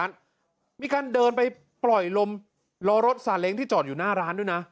ทางประตูร้านมีการเดินไปปล่อยลมลอรถสาเล้งที่จอดอยู่หน้าร้านด้วยนะ